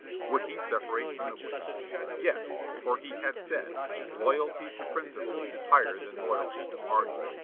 Would he separate from the Whigs? Yes, for he had said, "Loyalty to principle is higher than loyalty to party.